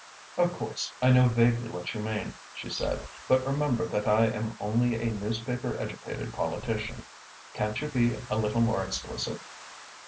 "Of course, I know vaguely what you mean," she said, "but remember that I am only a newspaper educated politician. Can't you be a little more explicit?"